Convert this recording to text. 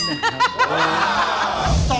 นะครับ